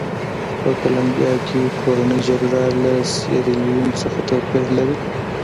په کولمبیا کې کورنۍ جګړه له سیریلیون څخه توپیر لري.